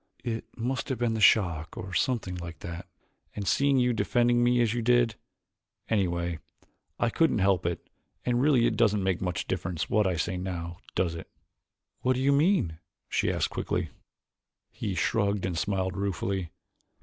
It must have been the shock or something like that, and seeing you defending me as you did. Anyway, I couldn't help it and really it doesn't make much difference what I say now, does it?" "What do you mean?" she asked quickly. He shrugged and smiled ruefully.